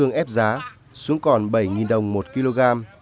gừng ép giá xuống còn bảy đồng một kg